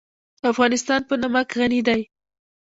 افغانستان په نمک غني دی.